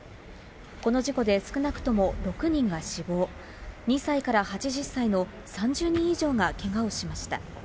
この事故で少なくとも６人が死亡、２歳から８０歳の３０人以上がけがをしました。